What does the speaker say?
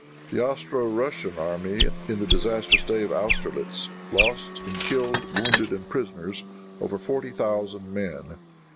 The Austro Russian army, in the disastrous day of Austerlitz, lost in killed, wounded and prisoners, over forty thousand men.